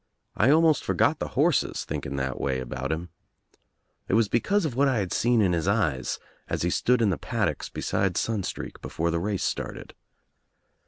I almost for got the horses thinking that way about him It was because of what I had seen in his eyes as he stood in the paddocks beside Sunstreak before the race started.